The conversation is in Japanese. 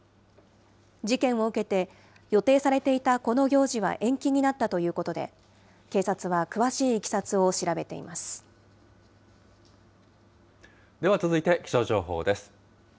事件を受けて、予定されていたこの行事は延期になったということで、警察は、詳しいいきさつを調べています。